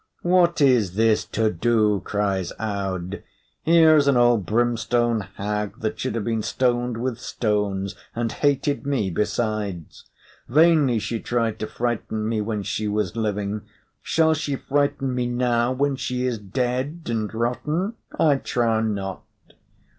"What is this todo?" cries Aud. "Here is an old brimstone hag that should have been stoned with stones, and hated me besides. Vainly she tried to frighten me when she was living; shall she frighten me now when she is dead and rotten? I trow not.